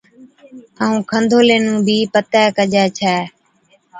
ائُون کنڌولي نُون بِي پَتي ڪجي ڇَي